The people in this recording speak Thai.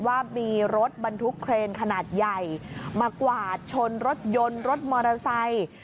ว่ามีรถบรรทุกเครนขนาดใหญ่มากวาดชนรถยนต์รถมอเตอร์ไซค์